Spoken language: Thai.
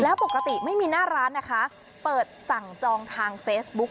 แล้วปกติไม่มีหน้าร้านนะคะเปิดสั่งจองทางเฟซบุ๊ก